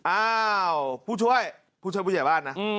อ้าวผู้ช่วยผู้ช่วยผู้ใหญ่บ้านนะ